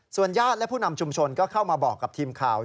ญาติและผู้นำชุมชนก็เข้ามาบอกกับทีมข่าว